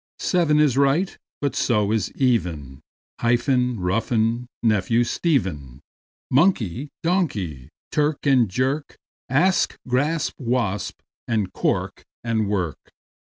Seven is right, but so is even; Hyphen, roughen, nephew, Stephen; Monkey, donkey; clerk and jerk; Asp, grasp, wasp; and cork and work.